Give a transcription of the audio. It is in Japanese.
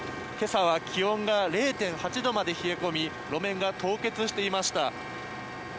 今朝は気温が０．８度まで冷え込み路面が凍結していました。